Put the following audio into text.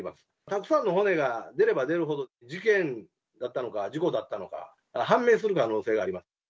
たくさんの骨が出れば出るほど、事件だったのか、事故だったのか、判明する可能性があります。